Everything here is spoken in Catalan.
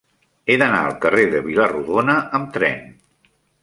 He d'anar al carrer de Vila-rodona amb tren.